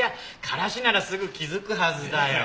からしならすぐ気づくはずだよ。